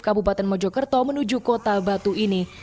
kabupaten mojokerto menuju kota batu ini